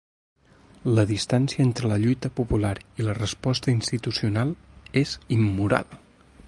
La distància entre la lluita popular i la resposta institucional és immoral.